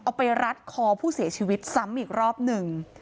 ไปรัดคอผู้เสียชีวิตซ้ำอีกรอบหนึ่ง